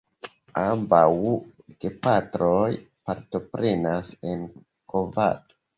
Ambaŭ gepatroj partoprenas en kovado.